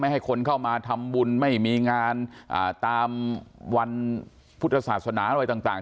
ให้คนเข้ามาทำบุญไม่มีงานตามวันพุทธศาสนาอะไรต่าง